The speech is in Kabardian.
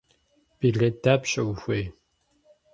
Билет дапщэ ухуей?